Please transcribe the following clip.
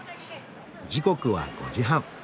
時刻は５時半。